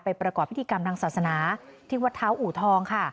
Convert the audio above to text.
ประกอบพิธีกรรมทางศาสนาที่วัดเท้าอูทองค่ะ